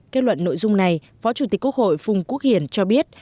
kết luận nội dung này phó chủ tịch quốc hội phùng quốc hiển cho biết